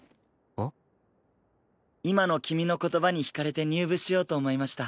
今の君の言葉に引かれて入部しようと思いました。